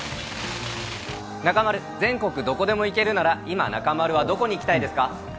中丸、全国どこでも行けるなら、今、中丸はどこに行きたいですか？